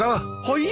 はい？